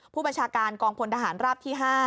ผู้บัญชาการกองพลทหารราบที่๕